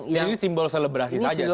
ini simbol selebrasi saja